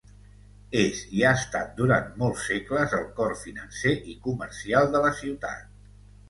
És i ha estat durant molts segles el cor financer i comercial de la ciutat.